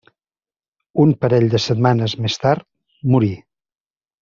Un parell de setmanes més tard, morí.